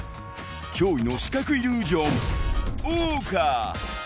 驚異の視覚イリュージョン、謳歌。